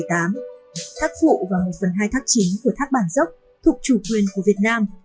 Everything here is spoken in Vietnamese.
tháp vụ và một phần hai tháp chính của tháp bản dốc thuộc chủ quyền của việt nam